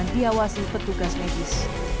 ketahuan pasien tersebut tidak berada di pes